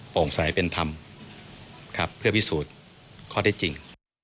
โปร่งสายเป็นธรรมเพื่อวิสูจน์ข้อได้จริง